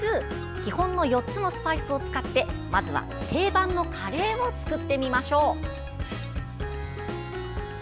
基本の４つのスパイスを使ってまずは定番のカレーを作ってみましょう！